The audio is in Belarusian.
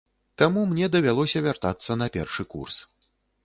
Таму мне давялося вяртацца на першы курс.